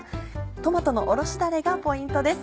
トマトのおろしだれがポイントです。